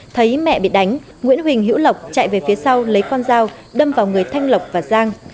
thấy mẹ bị đánh nguyễn huỳnh hữu lộc chạy về phía sau lấy con dao đâm vào người thanh lộc và giang